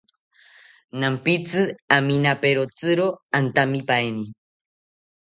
Nampitzi aminaperotziro antamipaeni